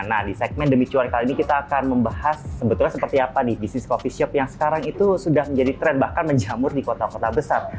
nah di segmen demi cuan kali ini kita akan membahas sebetulnya seperti apa nih bisnis coffee shop yang sekarang itu sudah menjadi tren bahkan menjamur di kota kota besar